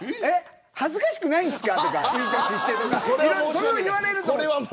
恥ずかしくないんですかとか言われるから。